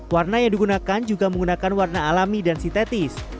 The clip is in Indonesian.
warna yang digunakan juga menggunakan warna alami dan sintetis